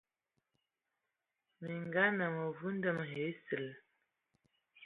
Minga anə məvul ndəm esil.